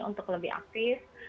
untuk lebih aktif